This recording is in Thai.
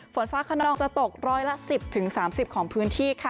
ฝนฟ้าขนองจะตกร้อยละ๑๐๓๐ของพื้นที่ค่ะ